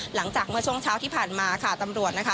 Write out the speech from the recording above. หลังจากเมื่อช่วงเช้าที่ผ่านมาค่ะตำรวจนะคะ